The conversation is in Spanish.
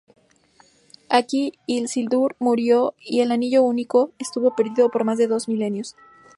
Aquí, Isildur murió y el Anillo Único estuvo perdido por más de dos milenios.